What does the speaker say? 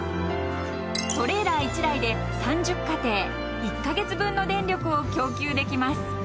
［トレーラー１台で３０家庭１カ月分の電力を供給できます］